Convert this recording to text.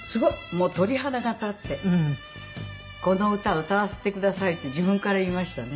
もう鳥肌が立って「この歌歌わせてください」って自分から言いましたね。